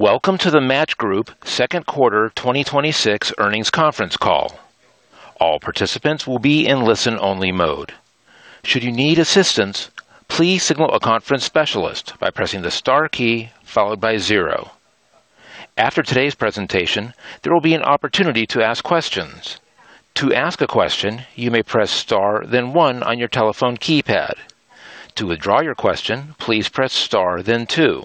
Welcome to the Match Group second quarter 2026 earnings conference call. All participants will be in listen-only mode. Should you need assistance, please signal a conference specialist by pressing the star key followed by zero. After today's presentation, there will be an opportunity to ask questions. To ask a question, you may press star then one on your telephone keypad. To withdraw your question, please press star then two.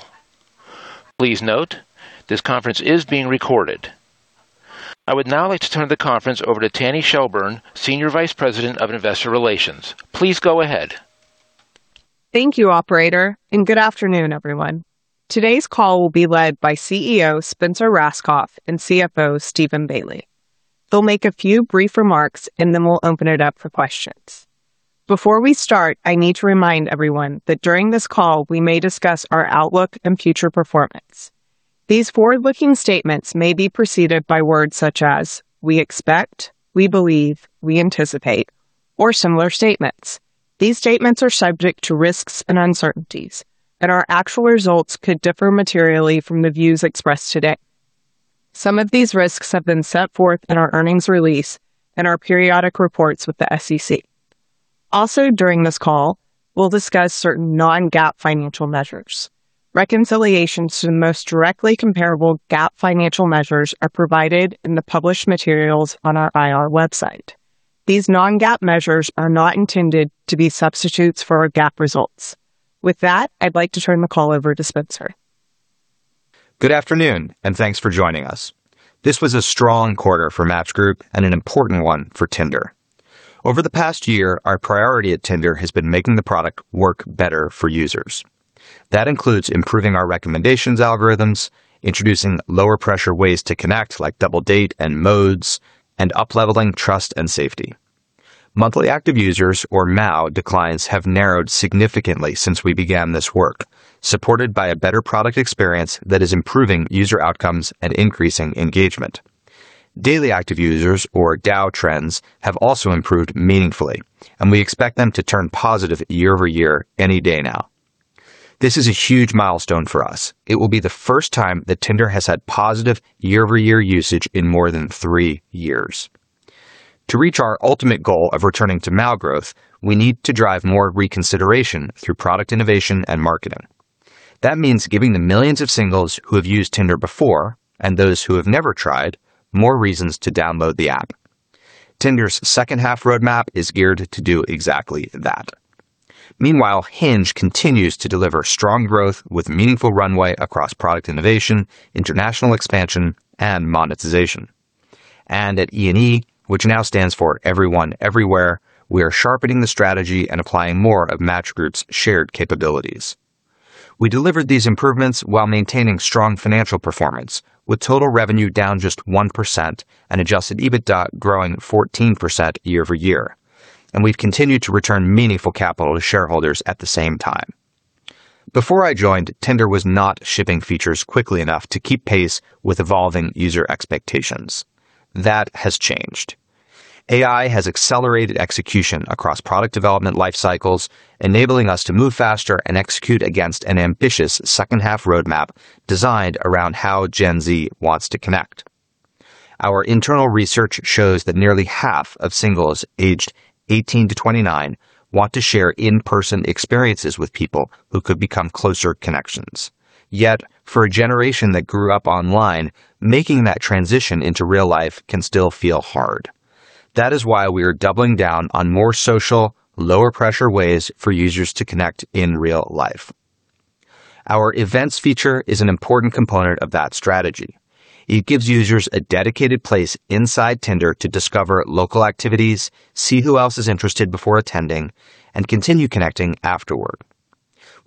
Please note, this conference is being recorded. I would now like to turn the conference over to Tanny Shelburne, Senior Vice President of Investor Relations. Please go ahead. Thank you, operator, and good afternoon, everyone. Today's call will be led by CEO, Spencer Rascoff, and CFO, Steven Bailey. They'll make a few brief remarks, and then we'll open it up for questions. Before we start, I need to remind everyone that during this call, we may discuss our outlook and future performance. These forward-looking statements may be preceded by words such as, "we expect," "we believe," "we anticipate," or similar statements. These statements are subject to risks and uncertainties, and our actual results could differ materially from the views expressed today. Some of these risks have been set forth in our earnings release and our periodic reports with the SEC. Also, during this call, we'll discuss certain non-GAAP financial measures. Reconciliations to the most directly comparable GAAP financial measures are provided in the published materials on our IR website. These non-GAAP measures are not intended to be substitutes for our GAAP results. With that, I'd like to turn the call over to Spencer. Good afternoon, and thanks for joining us. This was a strong quarter for Match Group and an important one for Tinder. Over the past year, our priority at Tinder has been making the product work better for users. That includes improving our recommendations algorithms, introducing lower-pressure ways to connect, like Double Date and Modes, and upleveling trust and safety. Monthly active users, or MAU, declines have narrowed significantly since we began this work, supported by a better product experience that is improving user outcomes and increasing engagement. Daily active users, or DAU trends, have also improved meaningfully, and we expect them to turn positive year-over-year any day now. This is a huge milestone for us. It will be the first time that Tinder has had positive year-over-year usage in more than three years. To reach our ultimate goal of returning to MAU growth, we need to drive more reconsideration through product innovation and marketing. That means giving the millions of singles who have used Tinder before, and those who have never tried, more reasons to download the app. Tinder's second-half roadmap is geared to do exactly that. Hinge continues to deliver strong growth with meaningful runway across product innovation, international expansion, and monetization. At E&E, which now stands for Everyone Everywhere, we are sharpening the strategy and applying more of Match Group's shared capabilities. We delivered these improvements while maintaining strong financial performance, with total revenue down just 1% and Adjusted EBITDA growing 14% year-over-year. We have continued to return meaningful capital to shareholders at the same time. Before I joined, Tinder was not shipping features quickly enough to keep pace with evolving user expectations. That has changed. AI has accelerated execution across product development life cycles, enabling us to move faster and execute against an ambitious second-half roadmap designed around how Gen Z wants to connect. Our internal research shows that nearly half of singles aged 18-29 want to share in-person experiences with people who could become closer connections. Yet, for a generation that grew up online, making that transition into real life can still feel hard. That is why we are doubling down on more social, lower-pressure ways for users to connect in real life. Our Events feature is an important component of that strategy. It gives users a dedicated place inside Tinder to discover local activities, see who else is interested before attending, and continue connecting afterward.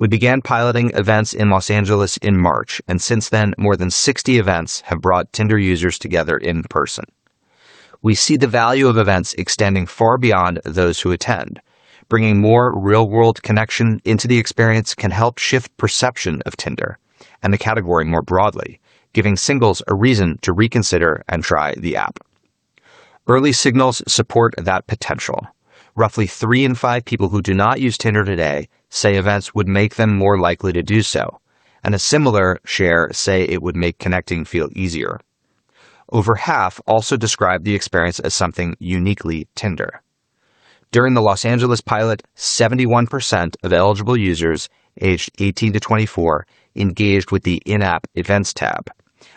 We began piloting Events in L.A. in March, and since then, more than 60 events have brought Tinder users together in person. We see the value of Events extending far beyond those who attend. Bringing more real-world connection into the experience can help shift perception of Tinder and the category more broadly, giving singles a reason to reconsider and try the app. Early signals support that potential. Roughly three in five people who do not use Tinder today say Events would make them more likely to do so, and a similar share say it would make connecting feel easier. Over half also describe the experience as something uniquely Tinder. During the L.A. pilot, 71% of eligible users aged 18-24 engaged with the in-app Events tab,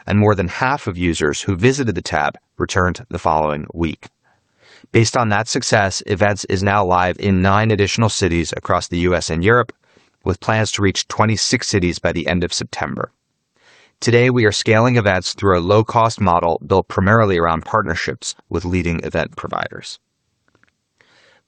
and more than half of users who visited the tab returned the following week. Based on that success, Events is now live in nine additional cities across the U.S. and Europe, with plans to reach 26 cities by the end of September. Today, we are scaling Events through a low-cost model built primarily around partnerships with leading event providers.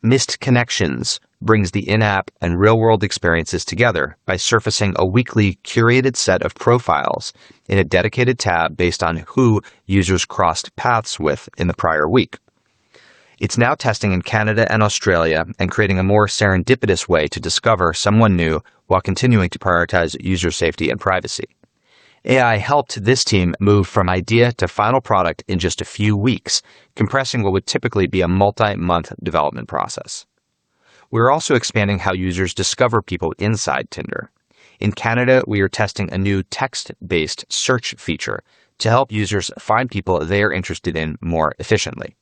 Missed Connections brings the in-app and real-world experiences together by surfacing a weekly curated set of profiles in a dedicated tab based on who users crossed paths with in the prior week. It is now testing in Canada and Australia and creating a more serendipitous way to discover someone new while continuing to prioritize user safety and privacy. AI helped this team move from idea to final product in just a few weeks, compressing what would typically be a multi-month development process. We are also expanding how users discover people inside Tinder. In Canada, we are testing a new text-based search feature to help users find people they are interested in more efficiently.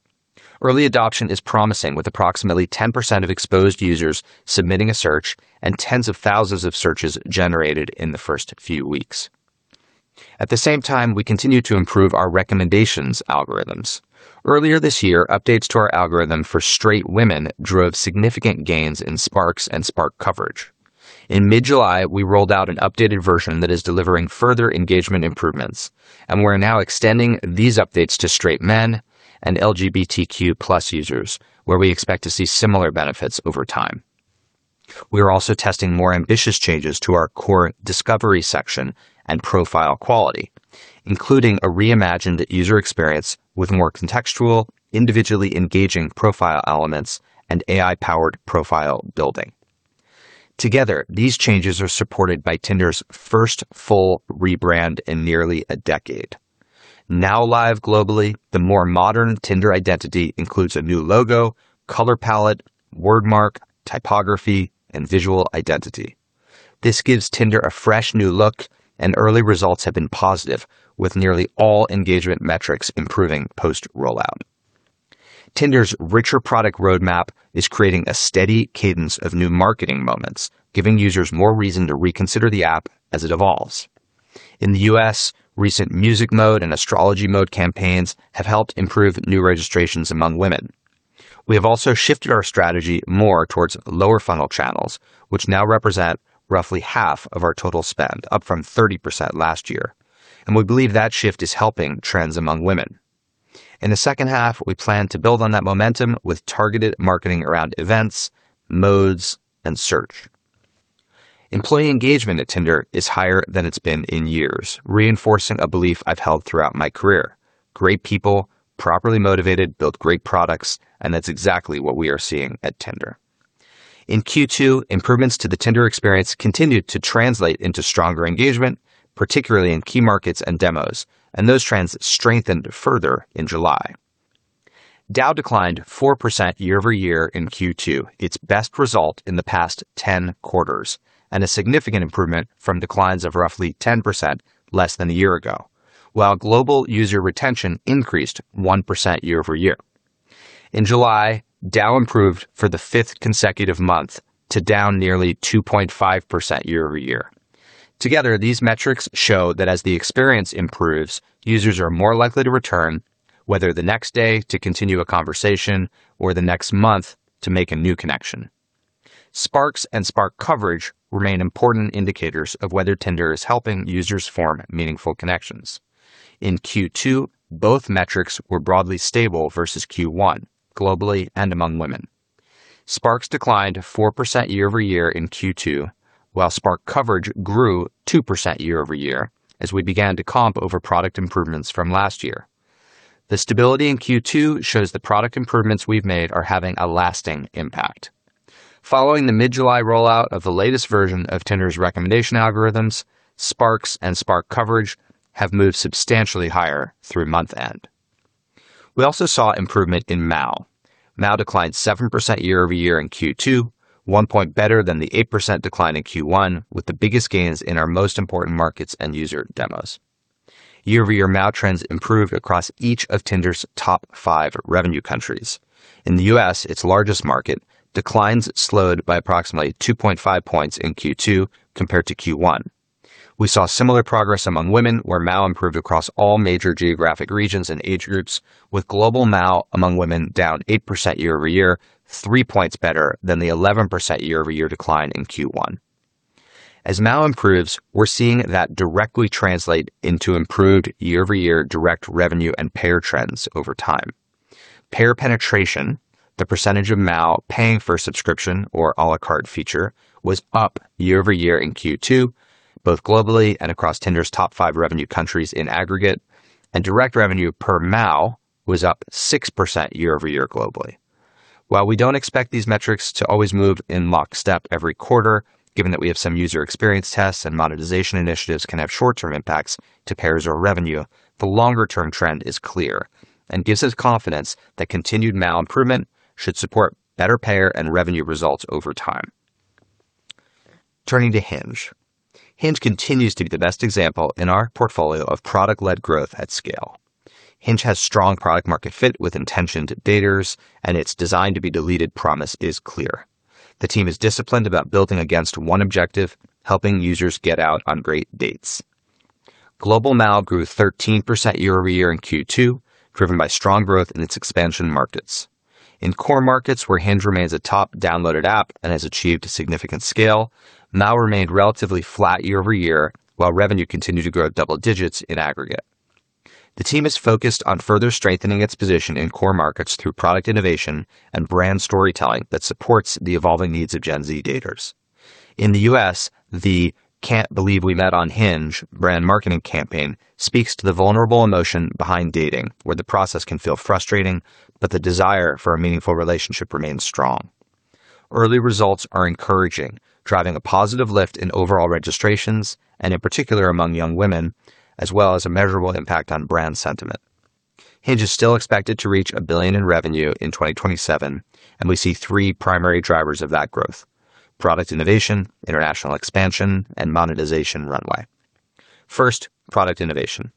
Early adoption is promising, with approximately 10% of exposed users submitting a search and tens of thousands of searches generated in the first few weeks. At the same time, we continue to improve our recommendations algorithms. Earlier this year, updates to our algorithm for straight women drove significant gains in sparks and spark coverage. In mid-July, we rolled out an updated version that is delivering further engagement improvements, and we're now extending these updates to straight men and LGBTQ+ users, where we expect to see similar benefits over time. We are also testing more ambitious changes to our core discovery section and profile quality, including a reimagined user experience with more contextual, individually engaging profile elements and AI-powered profile building. Together, these changes are supported by Tinder's first full rebrand in nearly a decade. Now live globally, the more modern Tinder identity includes a new logo, color palette, word mark, typography, and visual identity. This gives Tinder a fresh new look, and early results have been positive, with nearly all engagement metrics improving post-rollout. Tinder's richer product roadmap is creating a steady cadence of new marketing moments, giving users more reason to reconsider the app as it evolves. In the U.S., recent Music Mode and Astrology Mode campaigns have helped improve new registrations among women. We have also shifted our strategy more towards lower-funnel channels, which now represent roughly half of our total spend, up from 30% last year, and we believe that shift is helping trends among women. In the second half, we plan to build on that momentum with targeted marketing around Events, Modes, and search. Employee engagement at Tinder is higher than it's been in years, reinforcing a belief I've held throughout my career. Great people, properly motivated, build great products, and that's exactly what we are seeing at Tinder. In Q2, improvements to the Tinder experience continued to translate into stronger engagement, particularly in key markets and demos, and those trends strengthened further in July. DAU declined 4% year-over-year in Q2, its best result in the past 10 quarters, and a significant improvement from declines of roughly 10% less than a year ago. While global user retention increased 1% year-over-year. In July, DAU improved for the fifth consecutive month to down nearly 2.5% year-over-year. Together, these metrics show that as the experience improves, users are more likely to return, whether the next day to continue a conversation or the next month to make a new connection. Sparks and spark coverage remain important indicators of whether Tinder is helping users form meaningful connections. In Q2, both metrics were broadly stable versus Q1, globally and among women. Sparks declined 4% year-over-year in Q2, while spark coverage grew 2% year-over-year as we began to comp over product improvements from last year. The stability in Q2 shows the product improvements we've made are having a lasting impact. Following the mid-July rollout of the latest version of Tinder's recommendation algorithms, sparks and spark coverage have moved substantially higher through month-end. We also saw improvement in MAU. MAU declined 7% year-over-year in Q2, one point better than the 8% decline in Q1, with the biggest gains in our most important markets and user demos. Year-over-year MAU trends improved across each of Tinder's top five revenue countries. In the U.S., its largest market, declines slowed by approximately 2.5 points in Q2 compared to Q1. We saw similar progress among women, where MAU improved across all major geographic regions and age groups, with global MAU among women down 8% year-over-year, three points better than the 11% year-over-year decline in Q1. As MAU improves, we're seeing that directly translate into improved year-over-year direct revenue and payer trends over time. Payer penetration, the percentage of MAU paying for a subscription or à la carte feature, was up year-over-year in Q2, both globally and across Tinder's top five revenue countries in aggregate, and direct revenue per MAU was up 6% year-over-year globally. While we don't expect these metrics to always move in lockstep every quarter, given that we have some user experience tests and monetization initiatives can have short-term impacts to payers or revenue, the longer-term trend is clear and gives us confidence that continued MAU improvement should support better payer and revenue results over time. Turning to Hinge. Hinge continues to be the best example in our portfolio of product-led growth at scale. Hinge has strong product market fit with intentioned daters, and its designed-to-be-deleted promise is clear. The team is disciplined about building against one objective: helping users get out on great dates. Global MAU grew 13% year-over-year in Q2, driven by strong growth in its expansion markets. In core markets, where Hinge remains a top downloaded app and has achieved significant scale, MAU remained relatively flat year-over-year, while revenue continued to grow double digits in aggregate. The team is focused on further strengthening its position in core markets through product innovation and brand storytelling that supports the evolving needs of Gen Z daters. In the U.S., the "Can't Believe We Met on Hinge" brand marketing campaign speaks to the vulnerable emotion behind dating, where the process can feel frustrating, but the desire for a meaningful relationship remains strong. Early results are encouraging, driving a positive lift in overall registrations and in particular among young women, as well as a measurable impact on brand sentiment. Hinge is still expected to reach $1 billion in revenue in 2027, and we see three primary drivers of that growth. Product innovation, international expansion, and monetization runway. First, product innovation.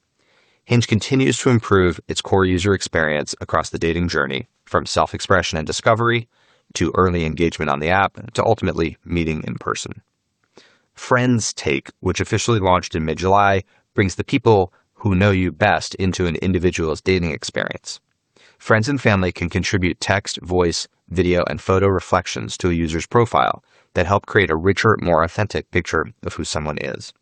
Hinge continues to improve its core user experience across the dating journey, from self-expression and discovery to early engagement on the app, to ultimately meeting in person. Friend's Take, which officially launched in mid-July, brings the people who know you best into an individual's dating experience. Friends and family can contribute text, voice, video, and photo reflections to a user's profile that help create a richer, more authentic picture of who someone is.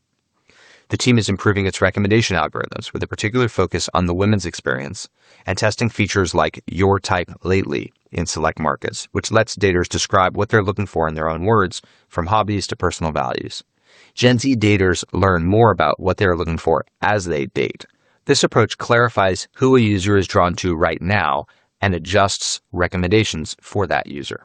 The team is improving its recommendation algorithms with a particular focus on the women's experience and testing features like Your Type Lately in select markets, which lets daters describe what they're looking for in their own words, from hobbies to personal values. Gen Z daters learn more about what they're looking for as they date. This approach clarifies who a user is drawn to right now and adjusts recommendations for that user.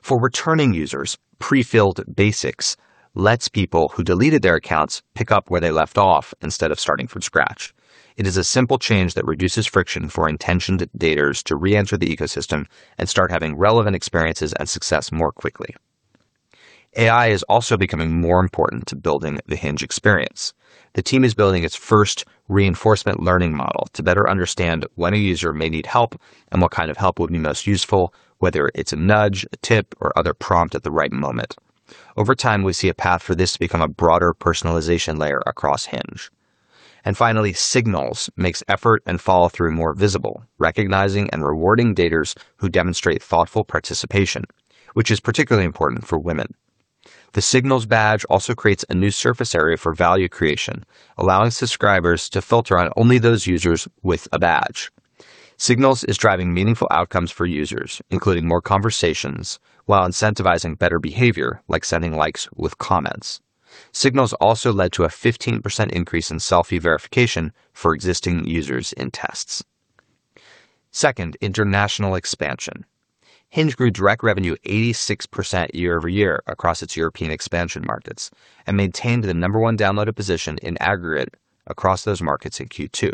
For returning users, pre-filled basics lets people who deleted their accounts pick up where they left off instead of starting from scratch. It is a simple change that reduces friction for intentioned daters to re-enter the ecosystem and start having relevant experiences and success more quickly. AI is also becoming more important to building the Hinge experience. The team is building its first reinforcement learning model to better understand when a user may need help and what kind of help would be most useful, whether it's a nudge, a tip, or other prompt at the right moment. Over time, we see a path for this to become a broader personalization layer across Hinge. Finally, Signals makes effort and follow-through more visible, recognizing and rewarding daters who demonstrate thoughtful participation, which is particularly important for women. The Signals badge also creates a new surface area for value creation, allowing subscribers to filter on only those users with a badge. Signals is driving meaningful outcomes for users, including more conversations while incentivizing better behavior, like sending likes with comments. Signals also led to a 15% increase in selfie verification for existing users in tests. Second, international expansion. Hinge grew direct revenue 86% year-over-year across its European expansion markets and maintained the number 1 downloaded position in aggregate across those markets in Q2.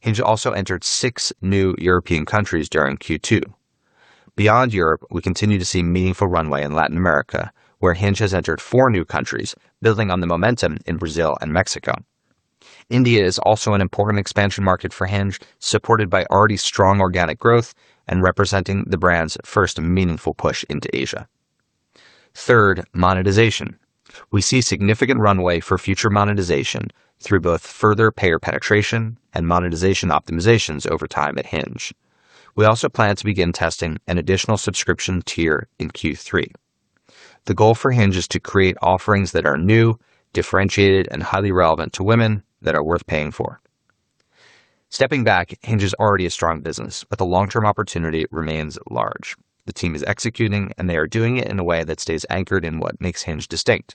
Hinge also entered six new European countries during Q2. Beyond Europe, we continue to see meaningful runway in Latin America, where Hinge has entered four new countries, building on the momentum in Brazil and Mexico. India is also an important expansion market for Hinge, supported by already strong organic growth and representing the brand's first meaningful push into Asia. Third, monetization. We see significant runway for future monetization through both further payer penetration and monetization optimizations over time at Hinge. We also plan to begin testing an additional subscription tier in Q3. The goal for Hinge is to create offerings that are new, differentiated, and highly relevant to women that are worth paying for. Stepping back, Hinge is already a strong business, but the long-term opportunity remains large. The team is executing, and they are doing it in a way that stays anchored in what makes Hinge distinct,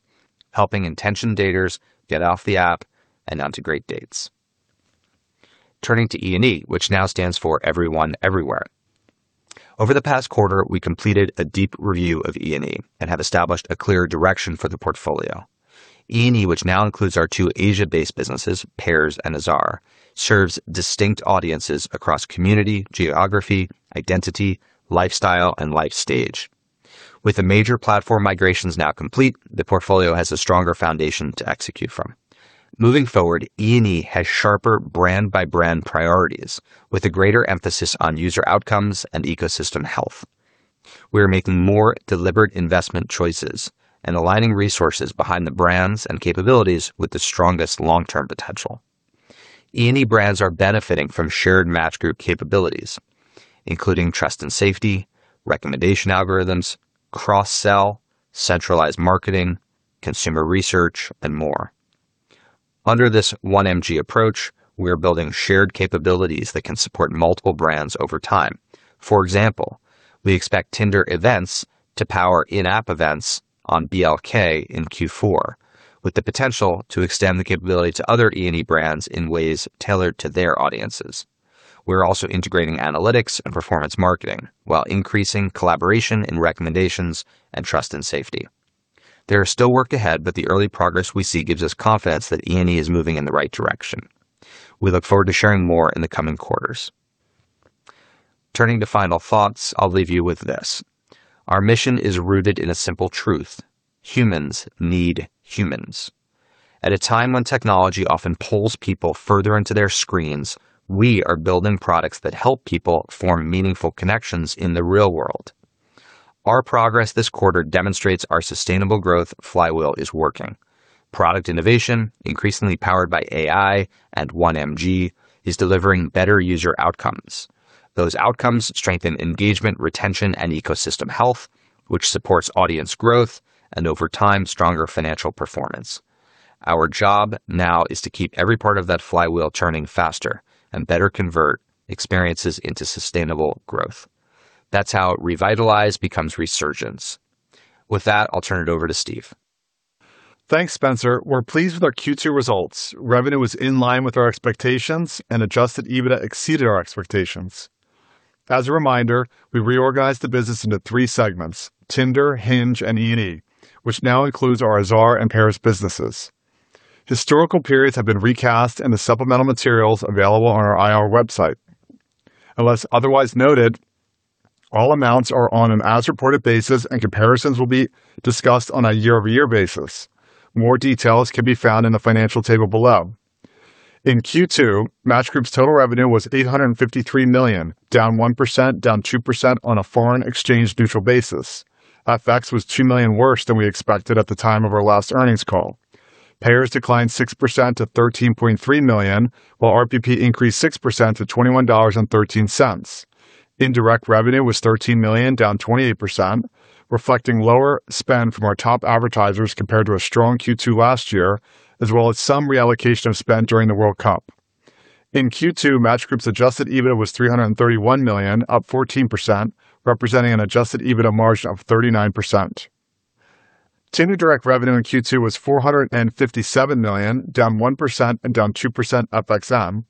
helping intentioned daters get off the app and onto great dates. Turning to E&E, which now stands for Everyone Everywhere. Over the past quarter, we completed a deep review of E&E and have established a clear direction for the portfolio. E&E, which now includes our two Asia-based businesses, Pairs and Azar, serves distinct audiences across community, geography, identity, lifestyle, and life stage. With the major platform migrations now complete, the portfolio has a stronger foundation to execute from. Moving forward, E&E has sharper brand-by-brand priorities with a greater emphasis on user outcomes and ecosystem health. We are making more deliberate investment choices and aligning resources behind the brands and capabilities with the strongest long-term potential. E&E brands are benefiting from shared Match Group capabilities, including trust and safety, recommendation algorithms, cross-sell, centralized marketing, consumer research, and more. Under this One MG approach, we are building shared capabilities that can support multiple brands over time. For example, we expect Tinder Events to power in-app events on BLK in Q4 with the potential to extend the capability to other E&E brands in ways tailored to their audiences. We're also integrating analytics and performance marketing while increasing collaboration and recommendations and trust and safety. There is still work ahead, but the early progress we see gives us confidence that E&E is moving in the right direction. We look forward to sharing more in the coming quarters. Turning to final thoughts, I'll leave you with this. Our mission is rooted in a simple truth. Humans need humans. At a time when technology often pulls people further into their screens, we are building products that help people form meaningful connections in the real world. Our progress this quarter demonstrates our sustainable growth flywheel is working. Product innovation, increasingly powered by AI and one MG, is delivering better user outcomes. Those outcomes strengthen engagement, retention, and ecosystem health, which supports audience growth and over time, stronger financial performance. Our job now is to keep every part of that flywheel turning faster and better convert experiences into sustainable growth. That's how revitalize becomes resurgence. With that, I'll turn it over to Steve. Thanks, Spencer. We're pleased with our Q2 results. Revenue was in line with our expectations, and Adjusted EBITDA exceeded our expectations. As a reminder, we reorganized the business into three segments: Tinder, Hinge, and E&E, which now includes our Azar and Pairs businesses. Historical periods have been recast in the supplemental materials available on our IR website. Unless otherwise noted, all amounts are on an as-reported basis, and comparisons will be discussed on a year-over-year basis. More details can be found in the financial table below. In Q2, Match Group's total revenue was $853 million, down 1%, down 2% on a foreign exchange neutral basis. FX was $2 million worse than we expected at the time of our last earnings call. Payers declined 6% to 13.3 million, while RPP increased 6% to $21.13. Indirect revenue was $13 million, down 28%, reflecting lower spend from our top advertisers compared to a strong Q2 last year, as well as some reallocation of spend during the World Cup. In Q2, Match Group's Adjusted EBITDA was $331 million, up 14%, representing an Adjusted EBITA margin of 39%. Tinder direct revenue in Q2 was $457 million, down 1% and down 2% FXN.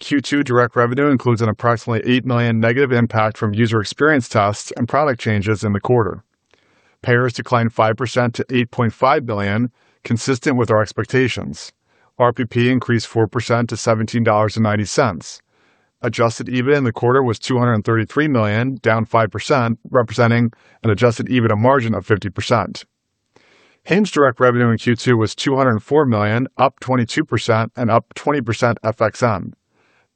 Q2 direct revenue includes an approximately $8 million negative impact from user experience tests and product changes in the quarter. Payers declined 5% to 8.5 million, consistent with our expectations. RPP increased 4% to $17.90. Adjusted EBITDA in the quarter was $233 million, down 5%, representing an Adjusted EBITA margin of 50%. Hinge direct revenue in Q2 was $204 million, up 22% and up 20% FXN.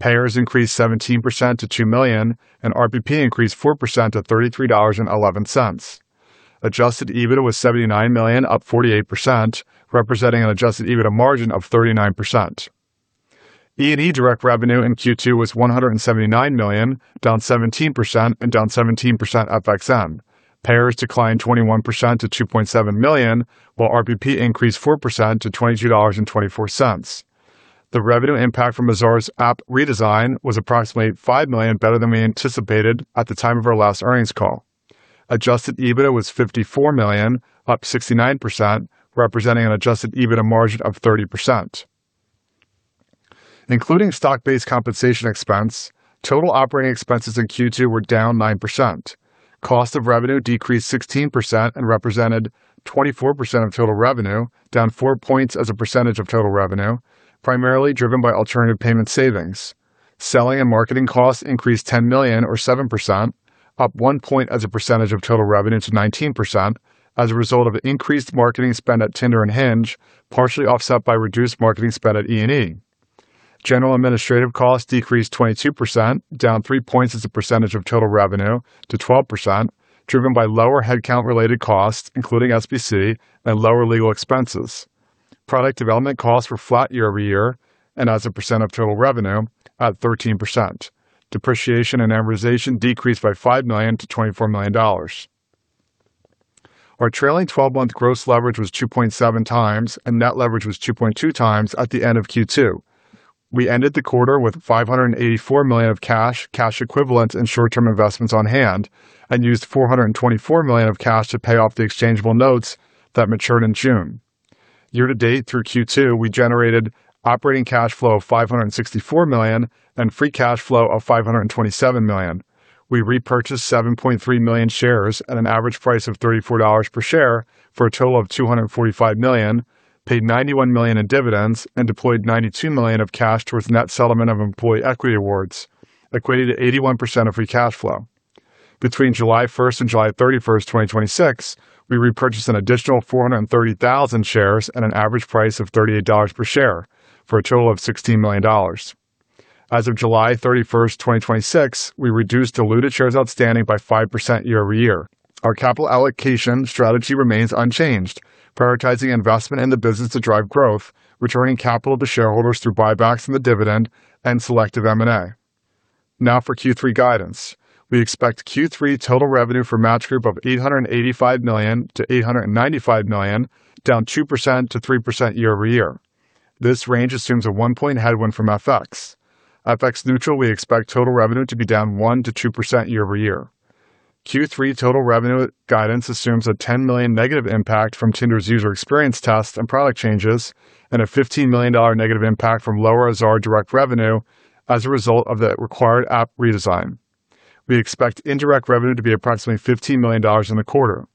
Payers increased 17% to 2 million, and RPP increased 4% to $33.11. Adjusted EBITDA was $79 million, up 48%, representing an Adjusted EBITDA margin of 39%. E&E direct revenue in Q2 was $179 million, down 17% and down 17% FXN. Payers declined 21% to 2.7 million, while RPP increased 4% to $22.24. The revenue impact from Azar's app redesign was approximately $5 million better than we anticipated at the time of our last earnings call. Adjusted EBITDA was $54 million, up 69%, representing an Adjusted EBITDA margin of 30%. Including stock-based compensation expense, total operating expenses in Q2 were down 9%. Cost of revenue decreased 16% and represented 24% of total revenue, down 4 points as a % of total revenue, primarily driven by alternative payment savings. Selling and marketing costs increased $10 million or 7%, up 1 point as a % of total revenue to 19%, as a result of increased marketing spend at Tinder and Hinge, partially offset by reduced marketing spend at E&E. General administrative costs decreased 22%, down 3 points as a % of total revenue to 12%, driven by lower headcount-related costs, including SBC and lower legal expenses. Product development costs were flat year-over-year, and as a % of total revenue at 13%. Depreciation and amortization decreased by $5 million to $24 million. Our trailing 12-month gross leverage was 2.7 times, and net leverage was 2.2 times at the end of Q2. We ended the quarter with $584 million of cash equivalents, and short-term investments on hand and used $424 million of cash to pay off the exchangeable notes that matured in June. Year-to-date through Q2, we generated operating cash flow of $564 million and free cash flow of $527 million. We repurchased 7.3 million shares at an average price of $34 per share for a total of $245 million, paid $91 million in dividends, and deployed $92 million of cash towards net settlement of employee equity awards, equated to 81% of free cash flow. Between July 1st and July 31st, 2026, we repurchased an additional 430,000 shares at an average price of $38 per share for a total of $16 million. As of July 31st, 2026, we reduced diluted shares outstanding by 5% year-over-year. Our capital allocation strategy remains unchanged, prioritizing investment in the business to drive growth, returning capital to shareholders through buybacks in the dividend, and selective M&A. Now for Q3 guidance. We expect Q3 total revenue for Match Group of $885 million-$895 million, down 2%-3% year-over-year. This range assumes a 1-point headwind from FX. FX neutral, we expect total revenue to be down 1%-2% year-over-year. Q3 total revenue guidance assumes a $10 million negative impact from Tinder's user experience test and product changes, and a $15 million negative impact from lower Azar direct revenue as a result of the required app redesign. We expect indirect revenue to be approximately $15 million in the quarter.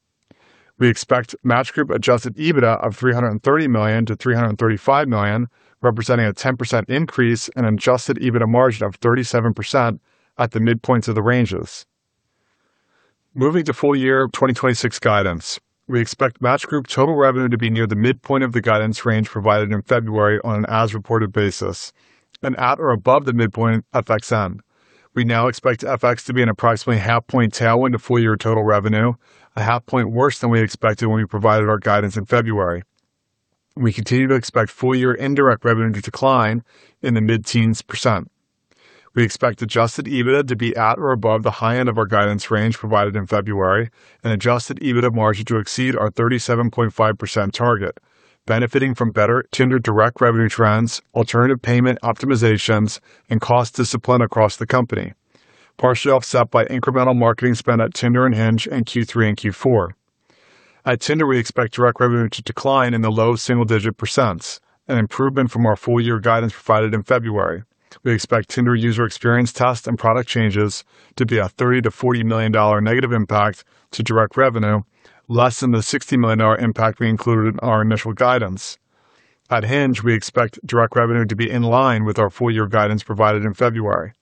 We expect Match Group Adjusted EBITDA of $330 million-$335 million, representing a 10% increase and Adjusted EBITDA margin of 37% at the midpoints of the ranges. Moving to full-year 2026 guidance. We expect Match Group total revenue to be near the midpoint of the guidance range provided in February on an as-reported basis and at or above the midpoint FXN. We now expect FX to be an approximately half-point tailwind to full-year total revenue, a half point worse than we expected when we provided our guidance in February. We continue to expect full-year indirect revenue to decline in the mid-teens %. We expect Adjusted EBITDA to be at or above the high end of our guidance range provided in February and Adjusted EBITDA margin to exceed our 37.5% target, benefiting from better Tinder direct revenue trends, alternative payment optimizations, and cost discipline across the company, partially offset by incremental marketing spend at Tinder and Hinge in Q3 and Q4. At Tinder, we expect direct revenue to decline in the low single-digit %, an improvement from our full-year guidance provided in February. We expect Tinder user experience test and product changes to be a $30 million-$40 million negative impact to direct revenue, less than the $60 million impact we included in our initial guidance. At Hinge, we expect direct revenue to be in line with our full-year guidance provided in February.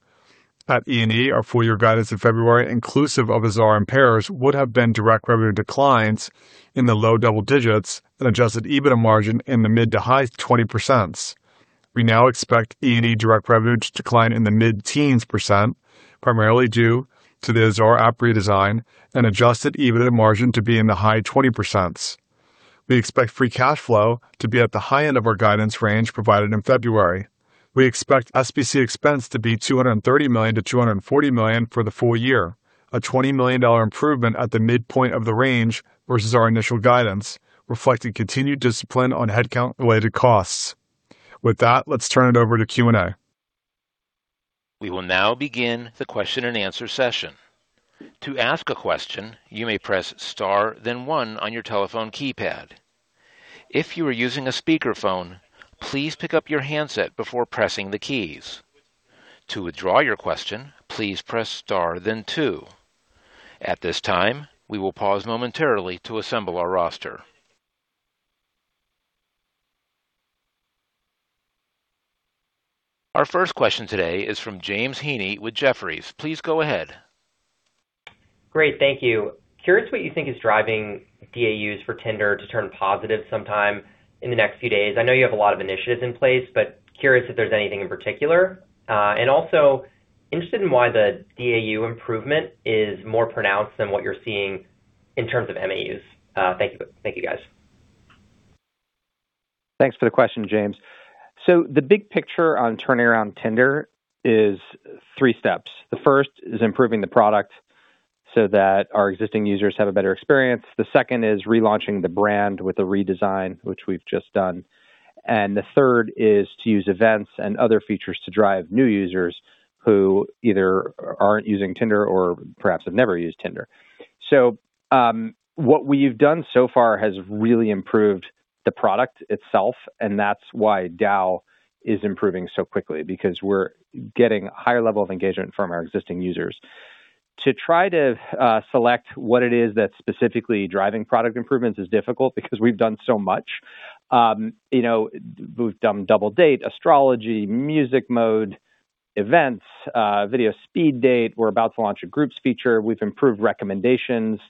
At E&E, our full-year guidance in February inclusive of Azar and Pairs would have been direct revenue declines in the low double-digits and Adjusted EBITDA margin in the mid-to-high 20%. We now expect E&E direct revenue to decline in the mid-teens %, primarily due to the Azar app redesign, and Adjusted EBITDA margin to be in the high 20%. We expect free cash flow to be at the high end of our guidance range provided in February. We expect SBC expense to be $230 million-$240 million for the full year, a $20 million improvement at the midpoint of the range versus our initial guidance, reflecting continued discipline on headcount-related costs. With that, let's turn it over to Q&A. We will now begin the question and answer session. To ask a question, you may press star then one on your telephone keypad. If you are using a speakerphone, please pick up your handset before pressing the keys. To withdraw your question, please press star then two. At this time, we will pause momentarily to assemble our roster. Our first question today is from James Heaney with Jefferies. Please go ahead. Great. Thank you. Curious what you think is driving DAUs for Tinder to turn positive sometime in the next few days. I know you have a lot of initiatives in place, but curious if there's anything in particular. Also, interested in why the DAU improvement is more pronounced than what you're seeing in terms of MAUs. Thank you. Thank you, guys. Thanks for the question, James. The big picture on turning around Tinder is three steps. The first is improving the product so that our existing users have a better experience. The second is relaunching the brand with a redesign, which we've just done. The third is to use Events and other features to drive new users who either aren't using Tinder or perhaps have never used Tinder. What we've done so far has really improved the product itself, and that's why DAU is improving so quickly, because we're getting a higher level of engagement from our existing users. To try to select what it is that's specifically driving product improvements is difficult because we've done so much. We've done Double Date, Astrology, Music Mode, Events, video speed date. We're about to launch a groups feature. We've improved recommendations.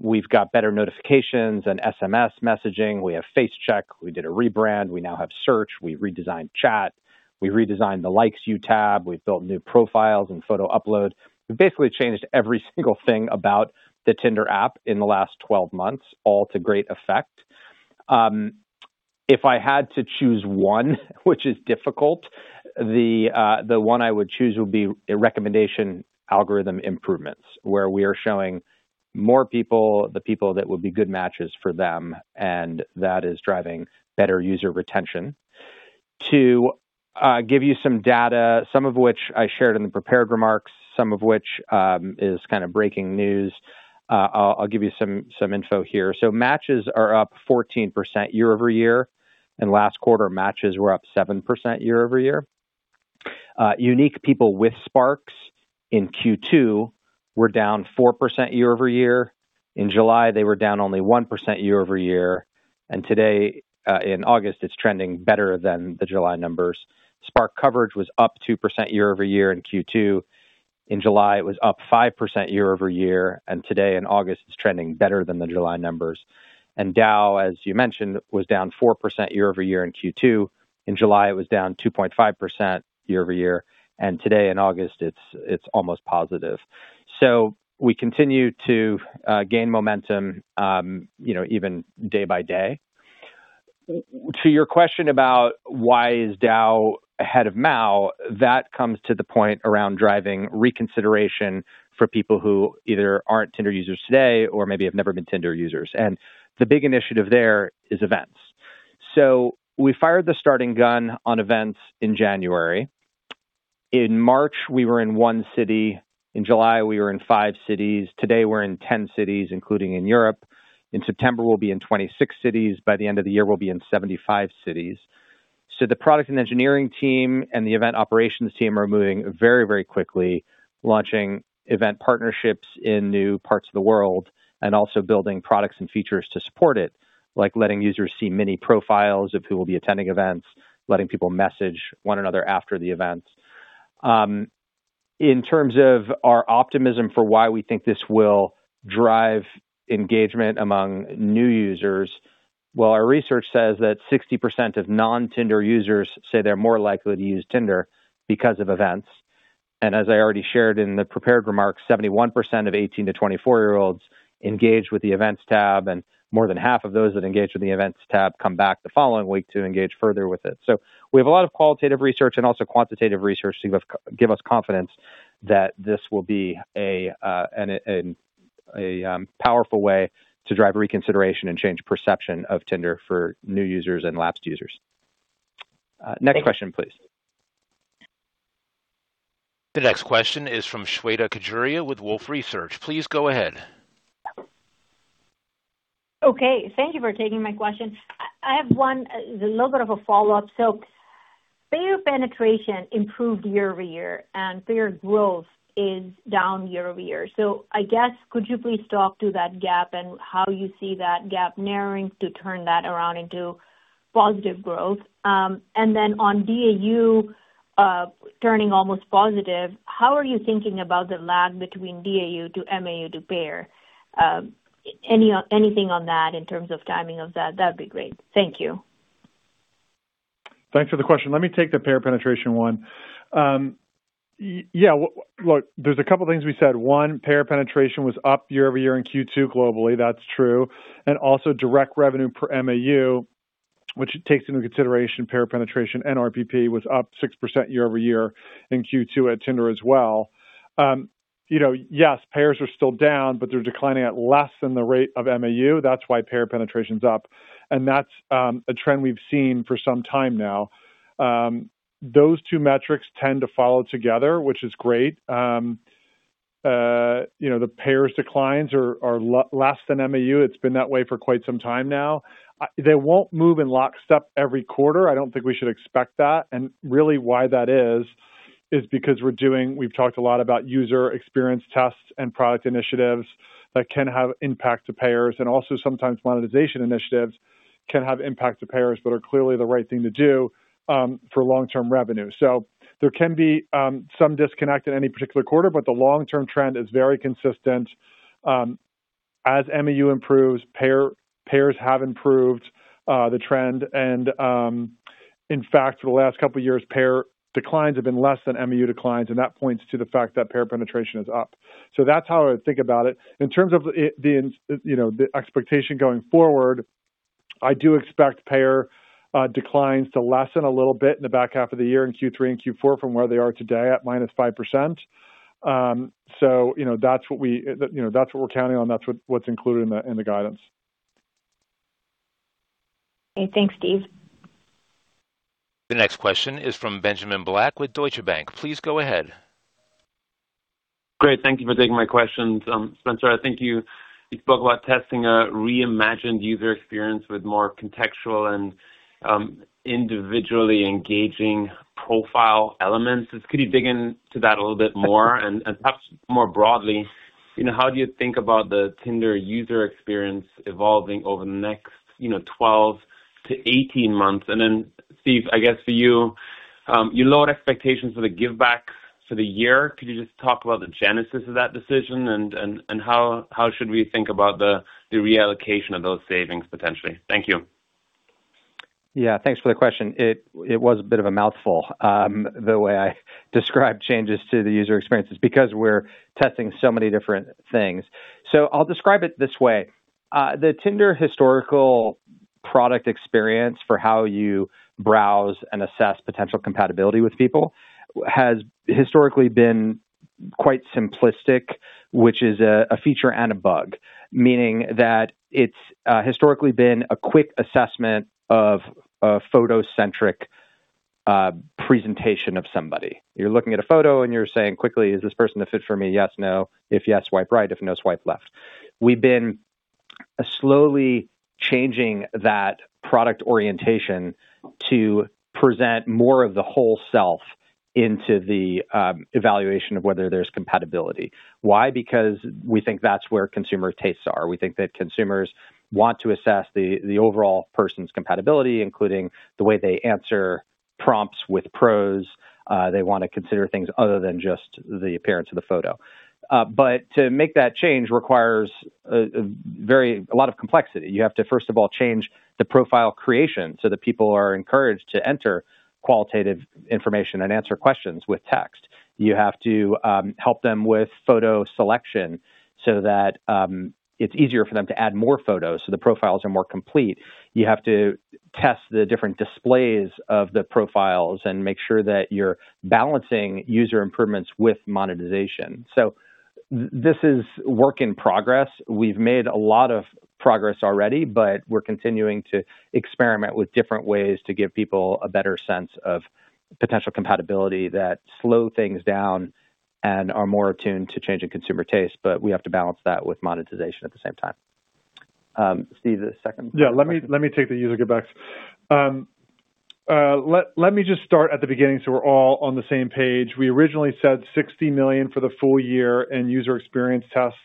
We've got better notifications and SMS messaging. We have Face Check. We did a rebrand. We now have search. We redesigned chat. We redesigned the Likes You tab. We've built new profiles and photo upload. We've basically changed every single thing about the Tinder app in the last 12 months, all to great effect. If I had to choose one, which is difficult, the one I would choose would be recommendation algorithm improvements, where we are showing more people the people that would be good matches for them, and that is driving better user retention. To give you some data, some of which I shared in the prepared remarks, some of which is kind of breaking news. I'll give you some info here. Matches are up 14% year-over-year, and last quarter, matches were up 7% year-over-year. Unique people with Sparks in Q2 were down 4% year-over-year. In July, they were down only 1% year-over-year. Today, in August, it's trending better than the July numbers. Spark coverage was up 2% year-over-year in Q2. In July, it was up 5% year-over-year, and today in August, it's trending better than the July numbers. DAU, as you mentioned, was down 4% year-over-year in Q2. In July, it was down 2.5% year-over-year, and today in August, it's almost positive. We continue to gain momentum even day by day. To your question about why is DAU ahead of MAU, that comes to the point around driving reconsideration for people who either aren't Tinder users today or maybe have never been Tinder users. The big initiative there is Events. We fired the starting gun on Events in January. In March, we were in one city. In July, we were in five cities. Today, we're in 10 cities, including in Europe. In September, we'll be in 26 cities. By the end of the year, we'll be in 75 cities. The product and engineering team and the event operations team are moving very, very quickly, launching event partnerships in new parts of the world and also building products and features to support it, like letting users see mini profiles of who will be attending events, letting people message one another after the events. In terms of our optimism for why we think this will drive engagement among new users. Our research says that 60% of non-Tinder users say they're more likely to use Tinder because of Events. As I already shared in the prepared remarks, 71% of 18 to 24-year-olds engaged with the Events tab, and more than half of those that engaged with the Events tab come back the following week to engage further with it. We have a lot of qualitative research and also quantitative research to give us confidence that this will be a powerful way to drive reconsideration and change perception of Tinder for new users and lapsed users. Next question, please. The next question is from Shweta Khajuria with Wolfe Research. Please go ahead. Okay. Thank you for taking my question. I have one, a little bit of a follow-up. Payer penetration improved year-over-year, and payer growth is down year-over-year. Could you please talk to that gap and how you see that gap narrowing to turn that around into positive growth? On DAU turning almost positive, how are you thinking about the lag between DAU to MAU to payer? Anything on that in terms of timing of that? That'd be great. Thank you. Thanks for the question. Let me take the payer penetration one. There's a couple of things we said. One, payer penetration was up year-over-year in Q2 globally. That's true. Also direct revenue per MAU, which it takes into consideration payer penetration and RPP, was up 6% year-over-year in Q2 at Tinder as well. Yes, payers are still down, but they're declining at less than the rate of MAU. That's why payer penetration's up. That's a trend we've seen for some time now. Those two metrics tend to follow together, which is great. The payers' declines are less than MAU. It's been that way for quite some time now. They won't move in lockstep every quarter. I don't think we should expect that. Really why that is because we've talked a lot about user experience tests and product initiatives that can have impact to payers. Also sometimes monetization initiatives can have impact to payers, but are clearly the right thing to do for long-term revenue. There can be some disconnect in any particular quarter, but the long-term trend is very consistent. As MAU improves, payers have improved the trend. In fact, for the last couple of years, payer declines have been less than MAU declines, and that points to the fact that payer penetration is up. That's how I would think about it. In terms of the expectation going forward, I do expect payer declines to lessen a little bit in the back half of the year in Q3 and Q4 from where they are today at minus 5%. That's what we're counting on. That's what's included in the guidance. Okay. Thanks, Steve. The next question is from Benjamin Black with Deutsche Bank. Please go ahead. Great. Thank you for taking my questions. Spencer, I think you spoke about testing a reimagined user experience with more contextual and individually engaging profile elements. Could you dig into that a little bit more? Perhaps more broadly, how do you think about the Tinder user experience evolving over the next 12 to 18 months? Steve, I guess for you lowered expectations for the givebacks for the year. Could you just talk about the genesis of that decision and how should we think about the reallocation of those savings potentially? Thank you. Yeah, thanks for the question. It was a bit of a mouthful the way I described changes to the user experiences because we're testing so many different things. I'll describe it this way. The Tinder historical product experience for how you browse and assess potential compatibility with people has historically been quite simplistic, which is a feature and a bug. Meaning that it's historically been a quick assessment of a photo-centric presentation of somebody. You're looking at a photo and you're saying quickly, "Is this person a fit for me? Yes. No." If yes, swipe right. If no, swipe left. We've been slowly changing that product orientation to present more of the whole self into the evaluation of whether there's compatibility. Why? Because we think that's where consumer tastes are. We think that consumers want to assess the overall person's compatibility, including the way they answer prompts with pros. They want to consider things other than just the appearance of the photo. To make that change requires a lot of complexity. You have to, first of all, change the profile creation so that people are encouraged to enter qualitative information and answer questions with text. You have to help them with photo selection so that it's easier for them to add more photos, so the profiles are more complete. You have to test the different displays of the profiles and make sure that you're balancing user improvements with monetization. This is work in progress. We've made a lot of progress already, but we're continuing to experiment with different ways to give people a better sense of potential compatibility that slow things down and are more attuned to changing consumer taste, but we have to balance that with monetization at the same time. Steve, the second part of the question? Let me take the user givebacks. Let me just start at the beginning so we're all on the same page. We originally said $60 million for the full year in user experience tests.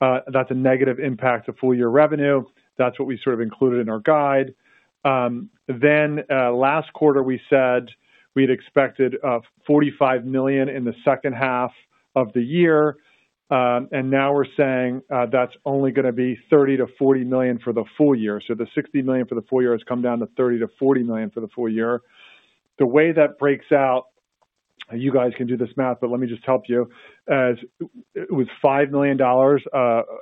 That's a negative impact to full year revenue. That's what we sort of included in our guide. Last quarter, we said we'd expected $45 million in the second half of the year. Now we're saying that's only going to be $30 million-$40 million for the full year. The $60 million for the full year has come down to $30 million-$40 million for the full year. The way that breaks out, you guys can do this math, but let me just help you. It was $5 million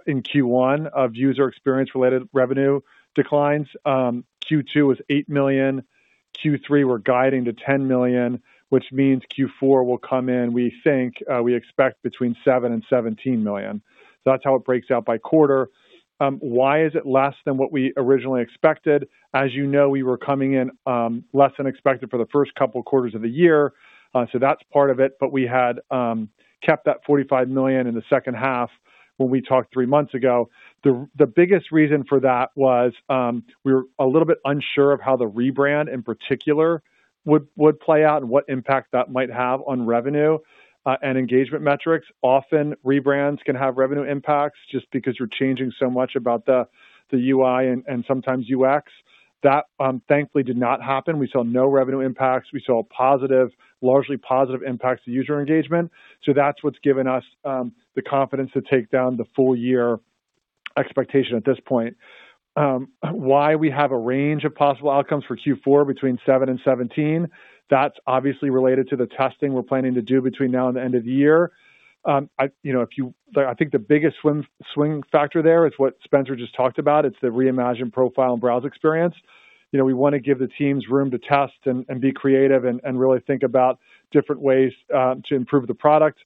in Q1 of user experience-related revenue declines. Q2 was $8 million. Q3, we're guiding to $10 million, which means Q4 will come in, we think, we expect between $7 million and $17 million. That's how it breaks out by quarter. Why is it less than what we originally expected? As you know, we were coming in less than expected for the first couple quarters of the year. That's part of it, but we had kept that $45 million in the second half when we talked three months ago. The biggest reason for that was we were a little bit unsure of how the rebrand, in particular, would play out and what impact that might have on revenue and engagement metrics. Often, rebrands can have revenue impacts just because you're changing so much about the UI and sometimes UX. That, thankfully, did not happen. We saw no revenue impacts. We saw largely positive impacts to user engagement. That's what's given us the confidence to take down the full year expectation at this point. Why we have a range of possible outcomes for Q4 between 7 and 17? That's obviously related to the testing we're planning to do between now and the end of the year. I think the biggest swing factor there is what Spencer just talked about. It's the reimagined profile and browse experience. We want to give the teams room to test and be creative and really think about different ways to improve the product.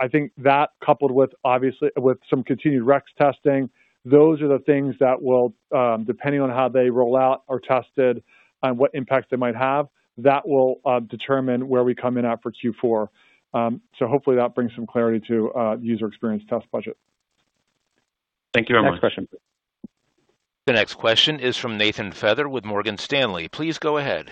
I think that, coupled with some continued UX testing, those are the things that will, depending on how they roll out or tested and what impact they might have, that will determine where we come in at for Q4. Hopefully, that brings some clarity to user experience test budget. Thank you, everyone. Next question, please. The next question is from Nathan Feather with Morgan Stanley. Please go ahead.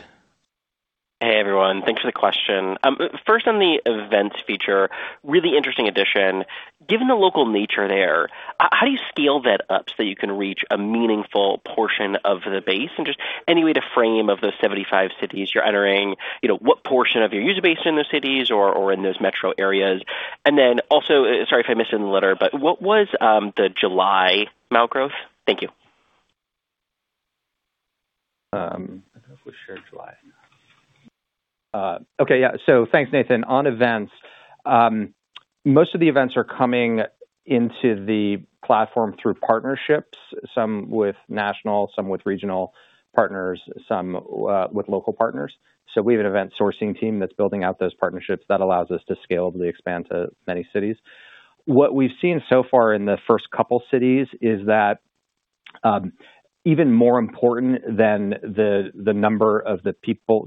Hey, everyone. Thanks for the question. First, on the Events feature, really interesting addition. Given the local nature there, how do you scale that up so you can reach a meaningful portion of the base? Just any way to frame of those 75 cities you're entering, what portion of your user base are in those cities or in those metro areas? Also, sorry if I missed it in the letter, but what was the July MAU growth? Thank you. I don't know if we shared July. Okay, yeah. Thanks, Nathan. On Events, most of the Events are coming into the platform through partnerships, some with national, some with regional partners, some with local partners. We have an Event sourcing team that's building out those partnerships that allows us to scalably expand to many cities. What we've seen so far in the first couple cities is that even more important than the number of people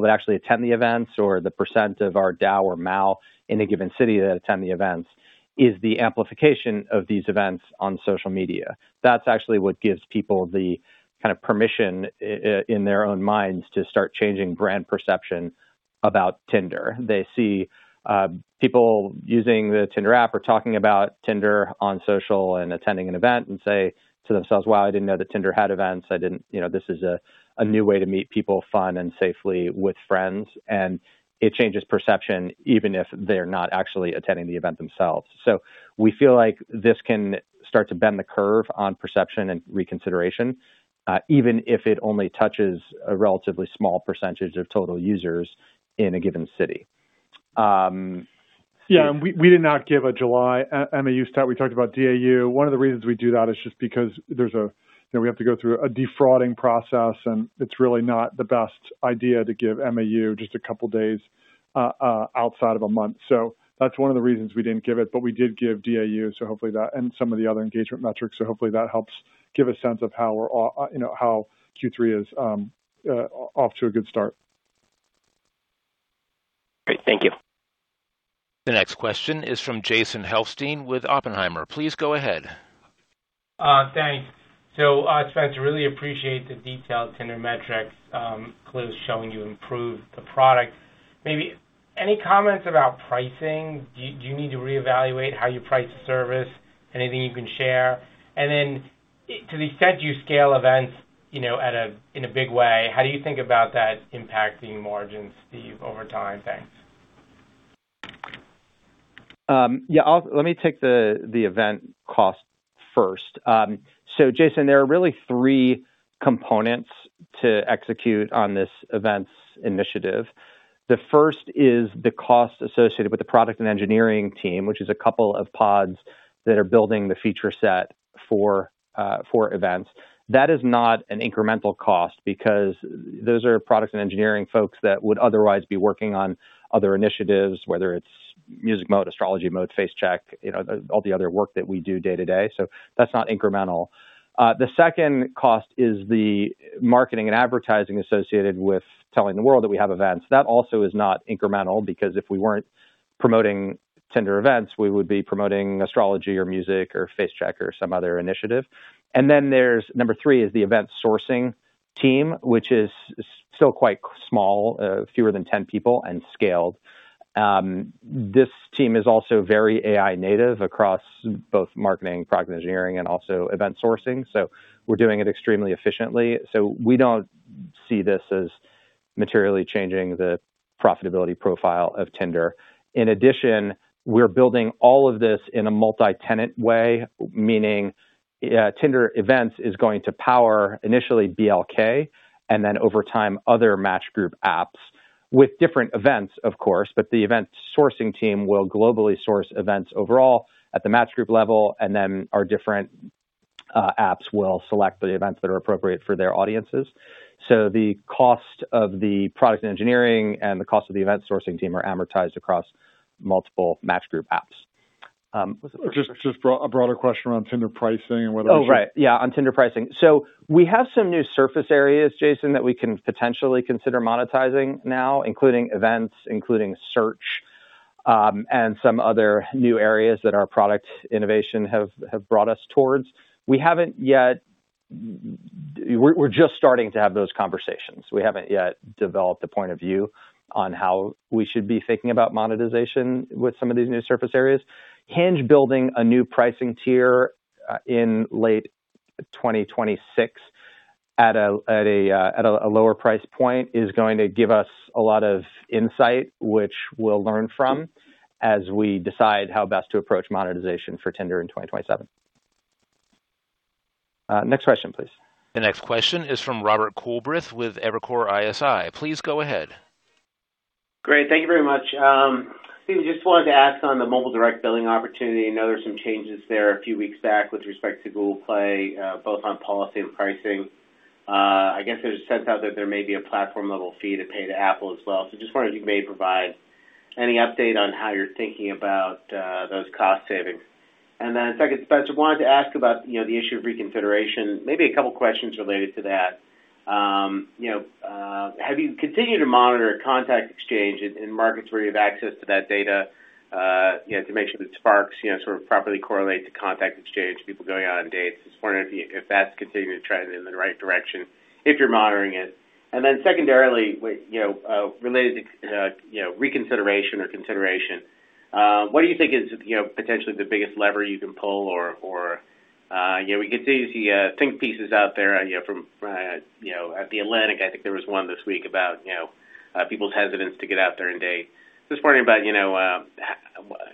that actually attend the Events or the percent of our DAU or MAU in a given city that attend the Events is the amplification of these Events on social media. That's actually what gives people the permission in their own minds to start changing brand perception about Tinder. They see people using the Tinder app or talking about Tinder on social and attending an event and say to themselves, "Wow, I didn't know that Tinder had Events. This is a new way to meet people, fun and safely with friends." It changes perception even if they're not actually attending the event themselves. We feel like this can start to bend the curve on perception and reconsideration, even if it only touches a relatively small percentage of total users in a given city. Yeah. We did not give a July MAU stat. We talked about DAU. One of the reasons we do that is just because we have to go through a de-duping process, and it's really not the best idea to give MAU just a couple of days outside of a month. That's one of the reasons we didn't give it, but we did give DAU and some of the other engagement metrics. Hopefully that helps give a sense of how Q3 is off to a good start. Great. Thank you. The next question is from Jason Helfstein with Oppenheimer. Please go ahead. Thanks. Spencer, really appreciate the detailed Tinder metrics, clues showing you improved the product. Maybe any comments about pricing? Do you need to reevaluate how you price the service? Anything you can share? To the extent you scale Events in a big way, how do you think about that impacting margins, Steve, over time? Thanks. Yeah. Let me take the Events cost first. Jason, there are really 3 components to execute on this Events initiative. The first is the cost associated with the product and engineering team, which is a couple of pods that are building the feature set for Events. That is not an incremental cost because those are product and engineering folks that would otherwise be working on other initiatives, whether it's Music Mode, Astrology Mode, Face Check, all the other work that we do day-to-day. That is not incremental. The second cost is the marketing and advertising associated with telling the world that we have Events. That also is not incremental because if we weren't promoting Tinder Events, we would be promoting Astrology or Music or Face Check or some other initiative. There is number 3 is the Events sourcing team, which is still quite small, fewer than 10 people and scaled. This team is also very AI native across both marketing, product engineering, and also Events sourcing. We are doing it extremely efficiently. We do not see this as materially changing the profitability profile of Tinder. In addition, we are building all of this in a multi-tenant way, meaning Tinder Events is going to power initially BLK and then over time, other Match Group apps with different Events, of course, but the Events sourcing team will globally source Events overall at the Match Group level and then our different apps will select the Events that are appropriate for their audiences. The cost of the product engineering and the cost of the Events sourcing team are amortized across multiple Match Group apps. What is the question? Just a broader question around Tinder pricing and whether there is On Tinder pricing. We have some new surface areas, Jason, that we can potentially consider monetizing now, including Events, including search, and some other new areas that our product innovation have brought us towards. We're just starting to have those conversations. We haven't yet developed a point of view on how we should be thinking about monetization with some of these new surface areas. Hinge building a new pricing tier in late 2026 at a lower price point is going to give us a lot of insight, which we'll learn from as we decide how best to approach monetization for Tinder in 2027. Next question, please. The next question is from Robert Culbreth with Evercore ISI. Please go ahead. Great. Thank you very much. Steven, just wanted to ask on the mobile direct billing opportunity. I know there were some changes there a few weeks back with respect to Google Play, both on policy and pricing. I guess there's a sense out there may be a platform-level fee to pay to Apple as well. Just wondering if you may provide any update on how you're thinking about those cost savings. Second, Spencer, wanted to ask about the issue of reconsideration, maybe a couple of questions related to that. Have you continued to monitor contact exchange in markets where you have access to that data to make sure that sparks sort of properly correlate to contact exchange, people going out on dates? Just wondering if that's continuing to trend in the right direction, if you're monitoring it. Secondarily, related to reconsideration or consideration, what do you think is potentially the biggest lever you can pull or we continue to see think pieces out there from at The Atlantic, I think there was one this week about people's hesitance to get out there and date. Just wondering about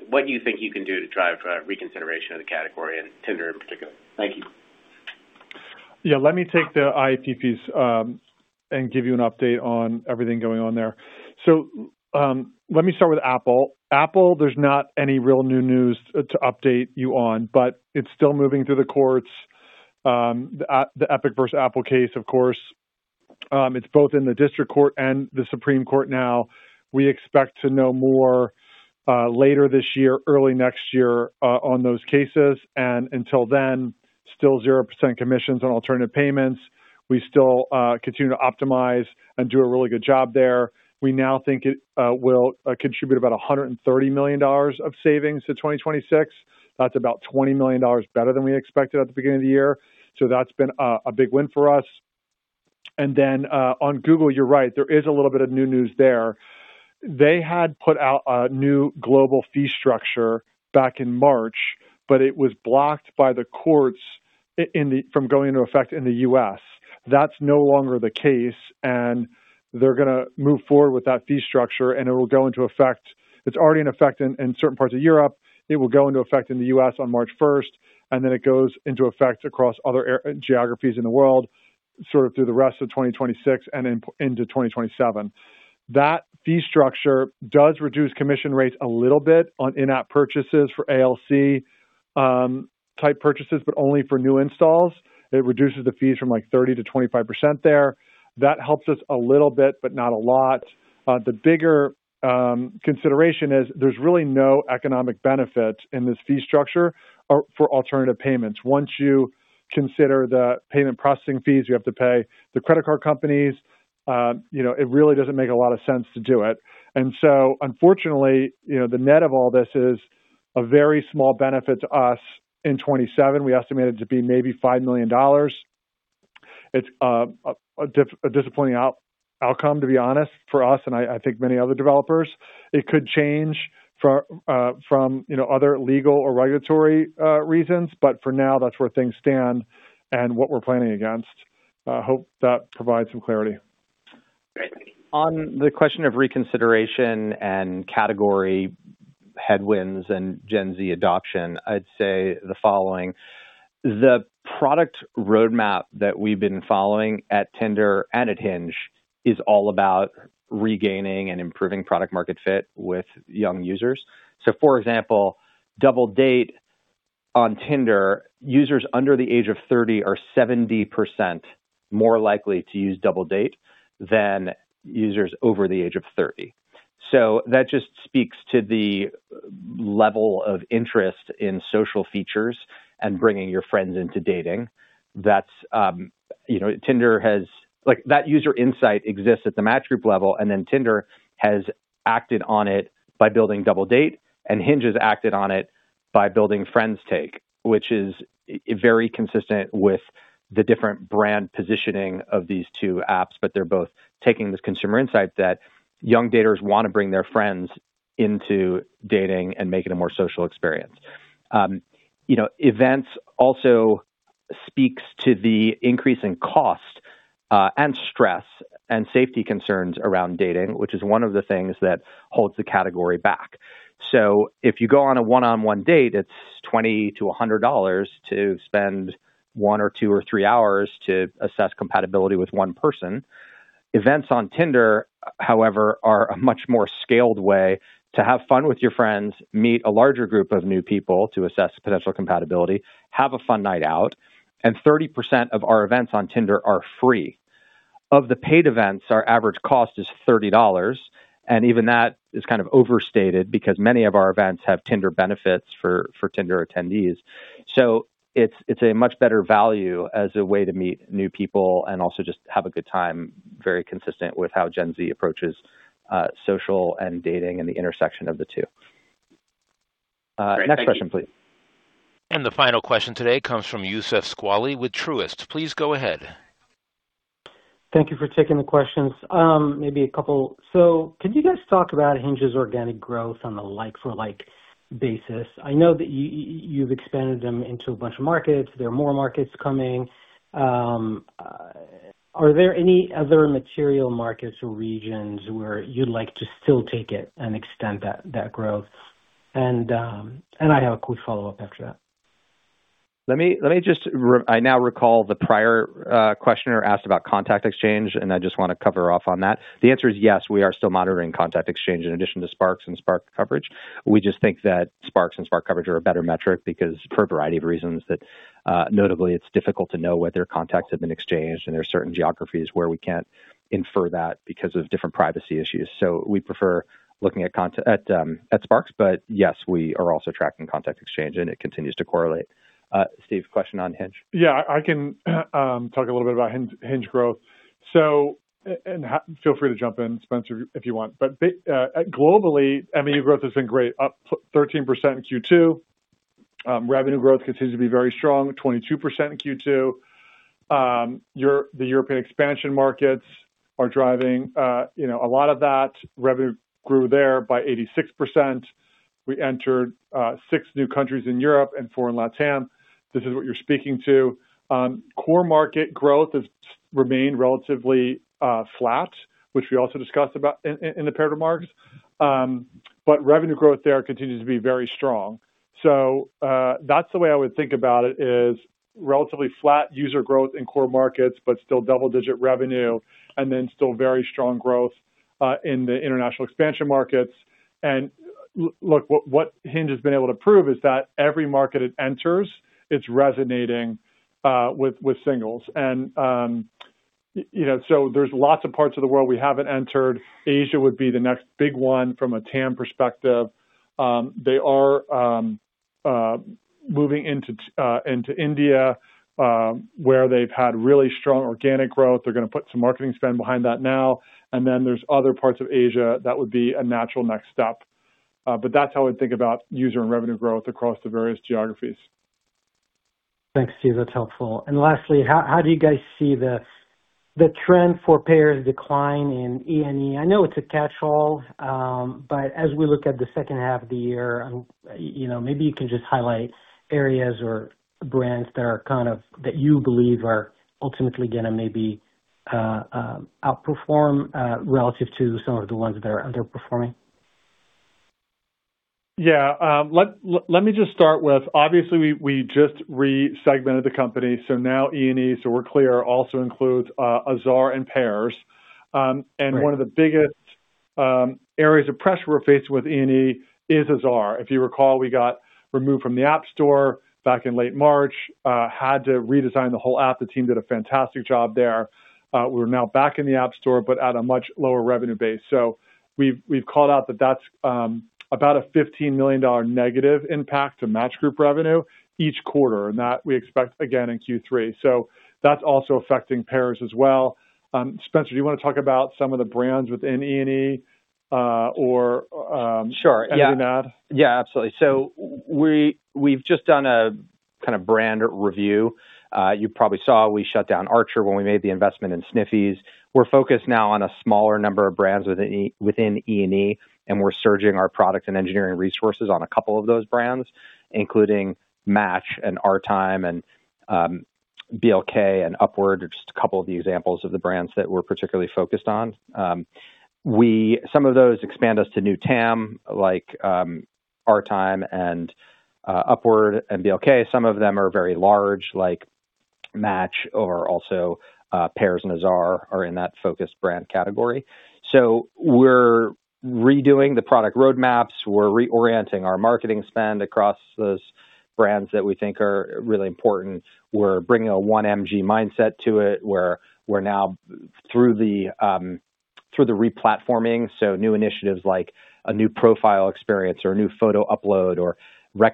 what you think you can do to drive reconsideration of the category and Tinder in particular. Thank you. let me take the ITPs and give you an update on everything going on there. let me start with Apple. Apple, there's not any real new news to update you on, but it's still moving through the courts. The Epic Games versus Apple case, of course. It's both in the district court and the Supreme Court now. We expect to know more later this year, early next year, on those cases. Until then, still 0% commissions on alternative payments. We still continue to optimize and do a really good job there. We now think it will contribute about $130 million of savings to 2026. That's about $20 million better than we expected at the beginning of the year. That's been a big win for us. Then, on Google, you're right, there is a little bit of new news there. They had put out a new global fee structure back in March, but it was blocked by the courts from going into effect in the U.S. That's no longer the case, they're going to move forward with that fee structure, it will go into effect. It's already in effect in certain parts of Europe. It will go into effect in the U.S. on March 1st, then it goes into effect across other geographies in the world, sort of through the rest of 2026 and into 2027. That fee structure does reduce commission rates a little bit on in-app purchases for ALC type purchases, but only for new installs. It reduces the fees from 30% to 25% there. That helps us a little bit, but not a lot. The bigger consideration is there's really no economic benefit in this fee structure for alternative payments. Once you consider the payment processing fees you have to pay the credit card companies, it really doesn't make a lot of sense to do it. Unfortunately, the net of all this is a very small benefit to us in 2027. We estimate it to be maybe $5 million. It's a disappointing outcome, to be honest, for us and I think many other developers. It could change from other legal or regulatory reasons. For now, that's where things stand and what we're planning against. I hope that provides some clarity. Great. On the question of reconsideration and category headwinds and Gen Z adoption, I'd say the following. The product roadmap that we've been following at Tinder and at Hinge is all about regaining and improving product market fit with young users. For example, Double Date on Tinder, users under the age of 30 are 70% more likely to use Double Date than users over the age of 30. That just speaks to the level of interest in social features and bringing your friends into dating. That user insight exists at the Match.com Group level. Tinder has acted on it by building Double Date. Hinge has acted on it by building Friend's Take, which is very consistent with the different brand positioning of these two apps. They're both taking this consumer insight that young daters want to bring their friends into dating and make it a more social experience. Events also speaks to the increase in cost and stress and safety concerns around dating, which is one of the things that holds the category back. If you go on a one-on-one date, it's $20 to $100 to spend one or two or three hours to assess compatibility with one person. Events on Tinder, however, are a much more scaled way to have fun with your friends, meet a larger group of new people to assess potential compatibility, have a fun night out. 30% of our Events on Tinder are free. Of the paid Events, our average cost is $30. Even that is kind of overstated because many of our Events have Tinder benefits for Tinder attendees. It's a much better value as a way to meet new people and also just have a good time, very consistent with how Gen Z approaches social and dating and the intersection of the two. Next question, please. The final question today comes from Youssef Squali with Truist. Please go ahead. Thank you for taking the questions. Maybe a couple. Could you guys talk about Hinge's organic growth on a like for like basis? I know that you've expanded them into a bunch of markets. There are more markets coming. Are there any other material markets or regions where you'd like to still take it and extend that growth? I have a quick follow-up after that. I now recall the prior questioner asked about contact exchange. I just want to cover off on that. The answer is yes. We are still monitoring contact exchange in addition to sparks and spark coverage. We just think that sparks and spark coverage are a better metric for a variety of reasons that, notably, it's difficult to know whether contacts have been exchanged, and there are certain geographies where we can't infer that because of different privacy issues. We prefer looking at sparks. Yes, we are also tracking contact exchange and it continues to correlate. Steve, question on Hinge? Yeah, I can talk a little bit about Hinge growth. Feel free to jump in, Spencer, if you want. Globally, MAU growth has been great, up 13% in Q2. Revenue growth continues to be very strong, 22% in Q2. The European expansion markets are driving a lot of that. Revenue grew there by 86%. We entered six new countries in Europe and four in LATAM. This is what you're speaking to. Core market growth has remained relatively flat, which we also discussed about in the prepared remarks. Revenue growth there continues to be very strong. That's the way I would think about it is relatively flat user growth in core markets, but still double-digit revenue, and then still very strong growth in the international expansion markets. Look, what Hinge has been able to prove is that every market it enters, it's resonating with singles. There's lots of parts of the world we haven't entered. Asia would be the next big one from a TAM perspective. They are moving into India, where they've had really strong organic growth. They're going to put some marketing spend behind that now. Then there's other parts of Asia that would be a natural next step. That's how I would think about user and revenue growth across the various geographies. Thanks, Steve. That's helpful. Lastly, how do you guys see the trend for payers decline in E&E? I know it's a catch-all, but as we look at the second half of the year, maybe you can just highlight areas or brands that you believe are ultimately going to maybe outperform relative to some of the ones that are underperforming. Yeah. Let me just start with, obviously, we just re-segmented the company. Now E&E, so we're clear, also includes Azar and Pairs. One of the biggest areas of pressure we're facing with E&E is Azar. If you recall, we got removed from the App Store back in late March. Had to redesign the whole app. The team did a fantastic job there. We're now back in the App Store, but at a much lower revenue base. We've called out that that's about a $15 million negative impact to Match Group revenue each quarter, and that we expect again in Q3. That's also affecting Pairs as well. Spencer, do you want to talk about some of the brands within E&E or- Sure adding that? Yeah, absolutely. We've just done a kind of brand review. You probably saw we shut down Archer when we made the investment in Sniffies. We're focused now on a smaller number of brands within E&E, and we're surging our product and engineering resources on a couple of those brands, including Match, and OurTime, and BLK, and Upward, are just a couple of the examples of the brands that we're particularly focused on. Some of those expand us to new TAM, like OurTime and Upward and BLK. Some of them are very large, like Match or also Pairs and Azar are in that focused brand category. We're redoing the product roadmaps. We're reorienting our marketing spend across those brands that we think are really important. We're bringing a one MG mindset to it, where we're now through the re-platforming. New initiatives like a new profile experience or a new photo upload or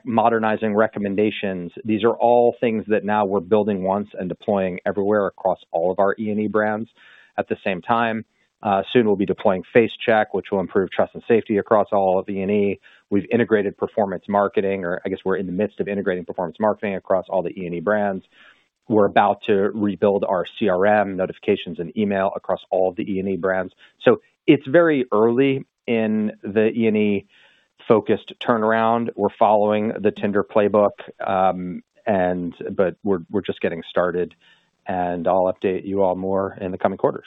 modernizing recommendations. These are all things that now we're building once and deploying everywhere across all of our E&E brands. At the same time, soon we'll be deploying Face Check, which will improve trust and safety across all of E&E. We've integrated performance marketing, or I guess we're in the midst of integrating performance marketing across all the E&E brands. We're about to rebuild our CRM notifications and email across all of the E&E brands. It's very early in the E&E-focused turnaround. We're following the Tinder playbook. We're just getting started, and I'll update you all more in the coming quarters.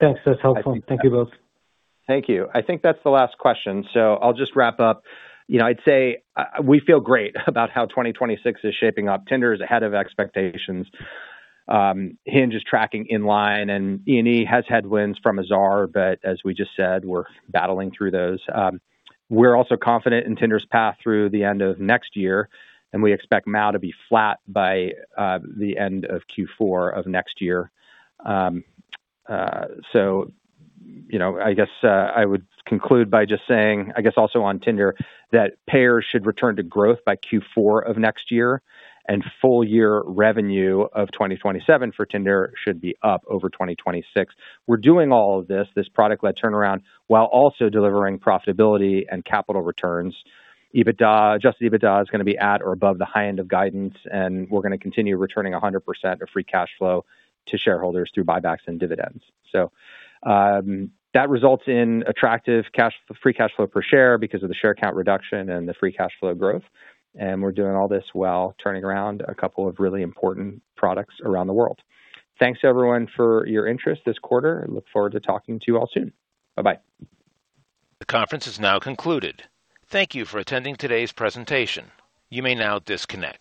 Thanks. That is helpful. Thank you both. Thank you. I think that is the last question. I will just wrap up. I would say we feel great about how 2026 is shaping up. Tinder is ahead of expectations. Hinge is tracking in line, E&E has headwinds from Azar, but as we just said, we are battling through those. We are also confident in Tinder’s path through the end of next year, and we expect MAU to be flat by the end of Q4 of next year. I guess I would conclude by just saying, I guess also on Tinder, that payers should return to growth by Q4 of next year, and full year revenue of 2027 for Tinder should be up over 2026. We are doing all of this product-led turnaround, while also delivering profitability and capital returns. Adjusted EBITDA is going to be at or above the high end of guidance, and we are going to continue returning 100% of free cash flow to shareholders through buybacks and dividends. That results in attractive free cash flow per share because of the share count reduction and the free cash flow growth. We are doing all this while turning around a couple of really important products around the world. Thanks everyone for your interest this quarter. Look forward to talking to you all soon. Bye-bye. The conference is now concluded. Thank you for attending today’s presentation. You may now disconnect.